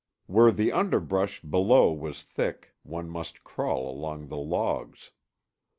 Where the underbrush below was thick, one must crawl along the logs.